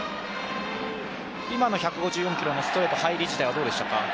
今の１５４キロのストレート、入り自体はどうでしたか？